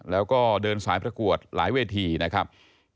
แล้วก็เดินสายประกวดหลายเวทีนะครับ